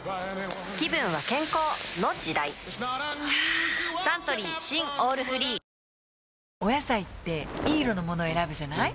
はぁサントリー新「オールフリー」お野菜っていい色のもの選ぶじゃない？